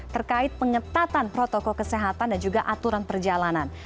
terkait pengetatan protokol kesehatan dan juga aturan perjalanan